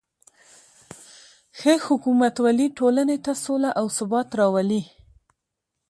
ښه حکومتولي ټولنې ته سوله او ثبات راولي.